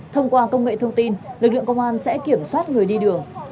thông qua công nghệ thông tin lực lượng công an sẽ kiểm soát người đi đường